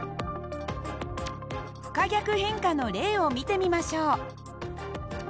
不可逆変化の例を見てみましょう。